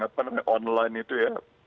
yang online itu ya